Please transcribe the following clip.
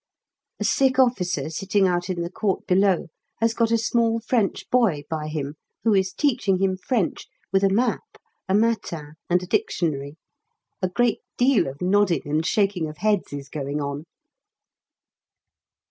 A sick officer sitting out in the court below has got a small French boy by him who is teaching him French with a map, a 'Matin,' and a dictionary. A great deal of nodding and shaking of heads is going on.